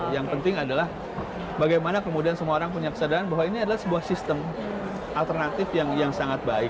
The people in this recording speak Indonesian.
yang penting adalah bagaimana kemudian semua orang punya kesadaran bahwa ini adalah sebuah sistem alternatif yang sangat baik